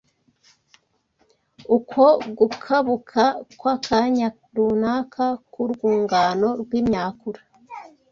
Uko gukabuka kw’akanya runaka kw’urwungano rw’imyakura